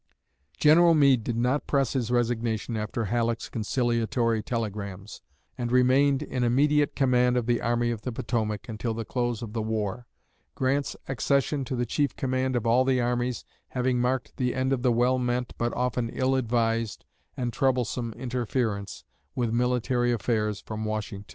General Meade did not press his resignation after Halleck's conciliatory telegrams, and remained in immediate command of the Army of the Potomac until the close of the war Grant's accession to the chief command of all the armies having marked the end of the well meant but often ill advised and troublesome interference with military affairs from Washington.